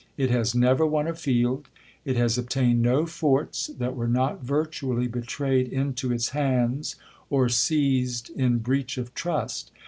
It has never won a field. It has obtained no forts that were not virtually betrayed into its hands or seized in breach of trust.